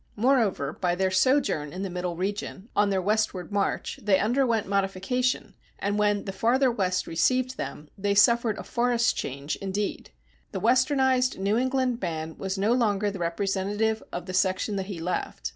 Moreover, by their sojourn in the Middle Region, on their westward march, they underwent modification, and when the farther West received them, they suffered a forest change, indeed. The Westernized New England man was no longer the representative of the section that he left.